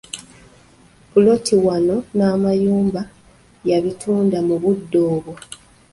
Puloti wamu n'amayumba yabituunda mu budde obwo.